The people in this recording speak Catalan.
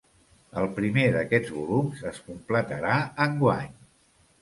El primer d'aquests volums es completarà enguany.